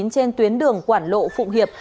trên tuyến đường quản lộ phụ hiệp